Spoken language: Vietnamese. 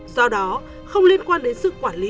do đó không liên quan đến sự quản lý